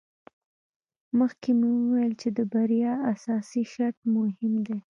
مخکې مو وویل چې د بریا اساسي شرط مهم دی.